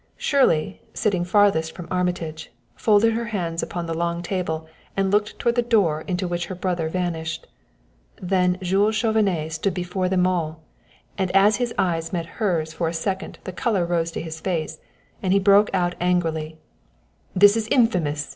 Shirley, sitting farthest from Armitage, folded her hands upon the long table and looked toward the door into which her brother vanished. Then Jules Chauvenet stood before them all, and as his eyes met hers for a second the color rose to his face, and he broke out angrily: "This is infamous!